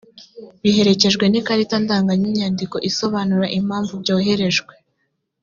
biherekejwe n ikarita ndanga n inyandiko isobanura impamvu byoherejwe